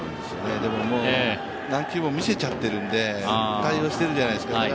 でも、何球も見せちゃってるんで、対応してるんじゃないですか。